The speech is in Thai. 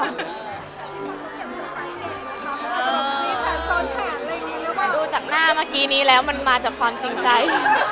เราดูจากหน้าเมื่อกี้นี้แล้วมันมาจะความสิงใจ